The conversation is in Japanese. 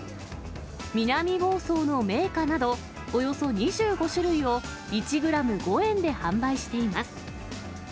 南房総の銘菓など、およそ２５種類を１グラム５円で販売しています。